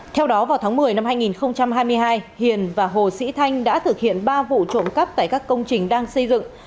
theo đó vào tháng một mươi năm hai nghìn hai mươi hai hiền và hồ sĩ thanh đã thực hiện ba vụ trộm cắp tại các công trình đang xây dựng